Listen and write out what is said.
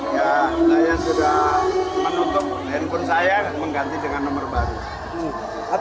ya saya sudah menutup handphone saya mengganti dengan nomor baru